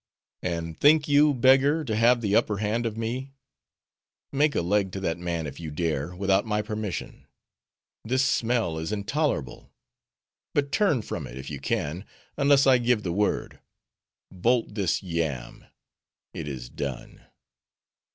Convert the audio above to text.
And think you, beggar! to have the upper hand of me? Make a leg to that man if you dare, without my permission. This smell is intolerable; but turn from it, if you can, unless I give the word. Bolt this yam!—it is done.